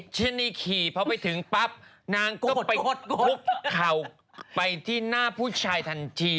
ชนีขี่พอไปถึงปั๊บนางก็ไปงดคุกเข่าไปที่หน้าผู้ชายทันที